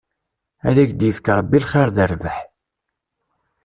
Ad ak-d-yefk Rebbi lxir d rrbeḥ.